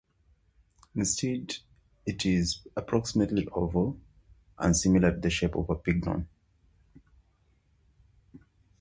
Instead it is approximately oval and similar to the shape of a pignon.